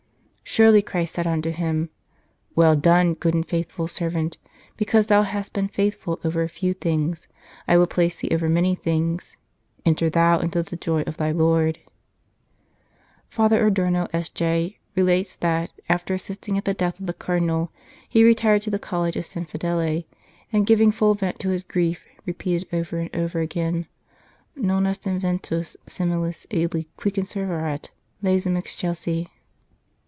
" Surely Christ said unto him : Well done, good and faithful servant ; because thou hast been faith ful over a few things, I will place thee over many things : enter thou into the joy of thy Lord. Father Adorno, S.J., relates that, after assisting at the death of the Cardinal, he retired to the College of San Fedele, and, giving full vent to his grief, repeated over and over again :" Non est inventus similis illi qui conservaret legem Excelsi."